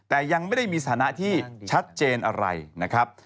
แต่ยังไม่ได้มีสถานะที่ชัดเจนอะไรนะครับ